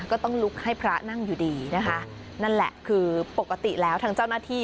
ก็ต้องลุกให้พระนั่งอยู่ดีนะคะนั่นแหละคือปกติแล้วทางเจ้าหน้าที่